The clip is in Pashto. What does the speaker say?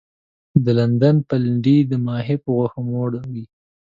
د لندن پلنډي د ماهي په غوښو موړ وي.